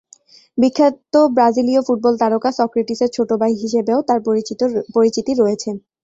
বিখ্যাত ব্রাজিলীয় ফুটবল তারকা সক্রেটিসের ছোট ভাই হিসেবেও তার পরিচিতি রয়েছে।